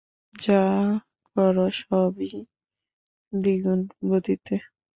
যা করো সবই দ্বিগুণ গতিতে।